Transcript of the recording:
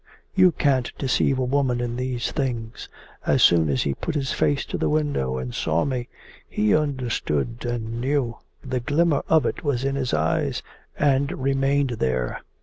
'You can't deceive a woman in these things. As soon as he put his face to the window and saw me, he understood and knew. The glimmer of it was in his eyes and remained there.